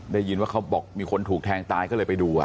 ได้ยินว่าเขาบอกมีคนถูกแทงตายก็เลยไปดู